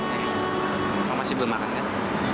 eh kamu masih belum makan kan